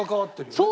そう！